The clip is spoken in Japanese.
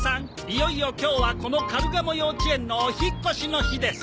いよいよ今日はこのカルガモ幼稚園のお引っ越しの日です。